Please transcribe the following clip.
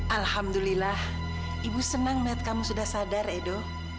alhamdulillah ibu senang melihat kamu sudah sadar edo